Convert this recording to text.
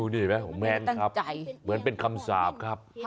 นี่เห็นไหมเหมือนเป็นคำสาปครับ